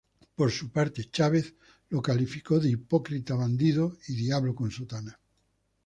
Por su parte, Chávez, lo calificó de "hipócrita, bandido y diablo con sotana".